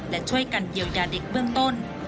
และช่วยกันเยียวยาเด็กเบื้องต้น